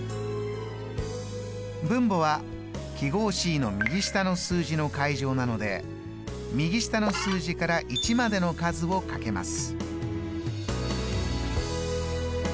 分母は記号Ｃの右下の数字の階乗なので右下の数字から１までの数をかけます。